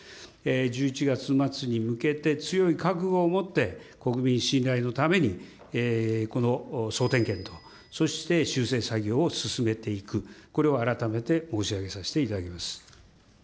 １１月末に向けて強い覚悟を持って、国民信頼のために、この総点検と、そして、修正作業を進めていく、これを改めて申し上げさせていただきます。